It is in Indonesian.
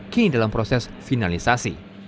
kini dalam proses finalisasi